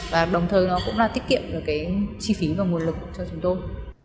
và đồng thời nó cũng là tiết kiệm được cái chi phí và nguồn lực cho chúng tôi